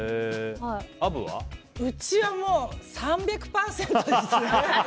うちはもう、３００％ですね。